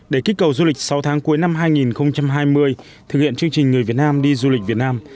để kích cầu du lịch sáu tháng cuối năm hai nghìn hai mươi thực hiện chương trình người việt nam đi du lịch việt nam